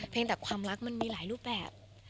แต่ความรักมันมีหลายรูปแบบ